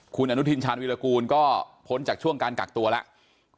คุณอนุทินชาญวิรากูลก็พ้นจากช่วงการกักตัวแล้ว